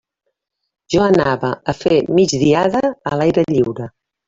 Jo anava a fer migdiada a l'aire lliure.